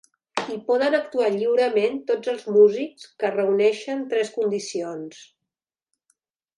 Hi poden actuar lliurement tots els músics que reuneixen tres condicions.